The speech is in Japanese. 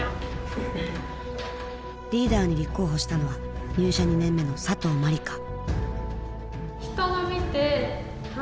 リーダーに立候補したのは入社２年目の佐藤茉莉香。